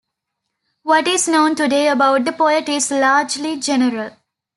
What is known today about the poet is largely general.